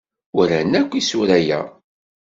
Walan akk isura-a.